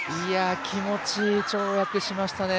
気持ちいい跳躍しましたね。